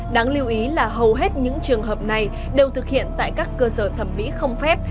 đáng lưu ý là hầu hết những trường hợp này đều thực hiện tại các cơ sở thẩm mỹ không phép